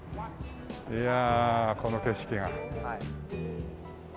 いやこの景色が。